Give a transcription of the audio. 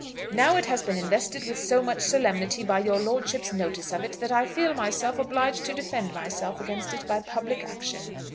Now it has been invested with so much solemnity by your lordship's notice of it that I feel myself obliged to defend myself against it by public action.